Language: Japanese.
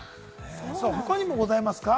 他にもございますか？